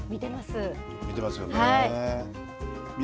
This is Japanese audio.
見てますよね。